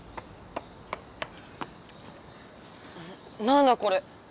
何だこれ？